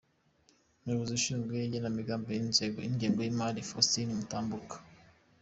-Umuyobozi ushinzwe igenamigambi n’ingengo y’imari, Faustin Mutambuka.